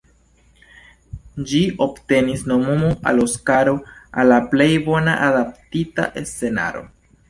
Ĝi obtenis nomumon al Oskaro al la plej bona adaptita scenaro.